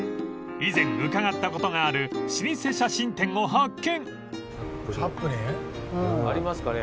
［以前伺ったことがある老舗写真店を発見］ありますかね？